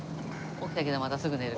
起きたけどまたすぐ寝る。